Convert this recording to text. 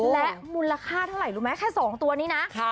และมูลค่าเท่าไหร่รู้ไหมแค่๒ตัวนี้นะ